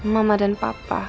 mama dan papa